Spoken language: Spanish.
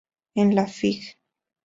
En la Fig.